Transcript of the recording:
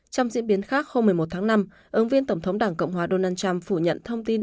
trong diễn biến khác hôm một mươi một tháng năm ứng viên tổng thống đảng cộng hòa donald trump phủ nhận thông tin